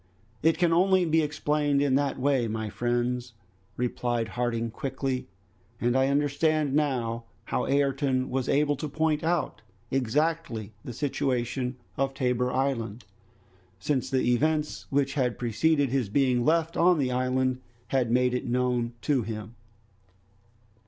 "It can only be explained in that way, my friends," replied Harding quickly, "and I understand now how Ayrton was able to point out exactly the situation of Tabor Island, since the events which had preceded his being left on the island had made it known to him."